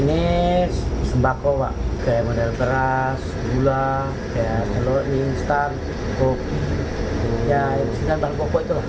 ya yang disalurkan bahan pokok itu